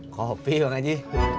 kopi bang haji